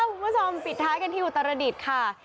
คุณผู้ชมปิดท้ายกันที่อุตรดิษฐ์ค่ะ